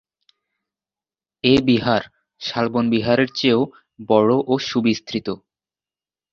এ বিহার শালবন বিহারের চেয়েও বড় ও সুবিস্তৃত।